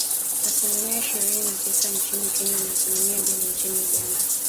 Asilimia ishirini na tisa nchini Kenya na asilimia mbili nchini Uganda